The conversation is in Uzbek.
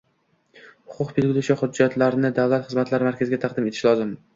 Huquq belgilovchi hujjatlarni davlat xizmatlari markaziga taqdim etish lozim.